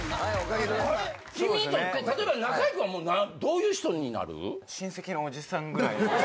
君にとって例えば中居君はどういう人になる？